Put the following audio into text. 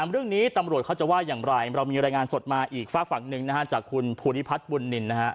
เรื่องนี้ตำรวจเขาจะว่าอย่างไรเรามีรายงานสดมาอีกฝากฝั่งหนึ่งจากคุณภูริพัฒน์บุญนินนะฮะ